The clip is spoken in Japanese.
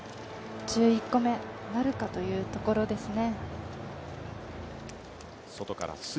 １１個目なるかというところですね。